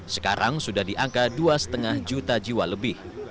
sekarang sudah di angka dua lima juta jiwa lebih